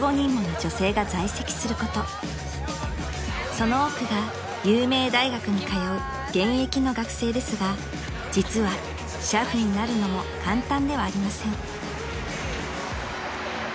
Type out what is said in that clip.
［その多くが有名大学に通う現役の学生ですが実は俥夫になるのも簡単ではありません］